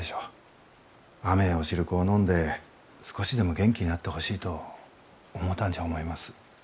甘えお汁粉を飲んで少しでも元気になってほしいと思うたんじゃ思います。